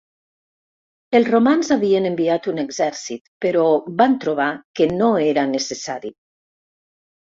Els romans havien enviat un exèrcit, però van trobar que no era necessari.